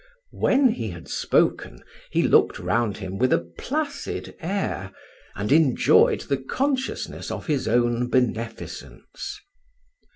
When he had spoken he looked round him with a placid air, and enjoyed the consciousness of his own beneficence.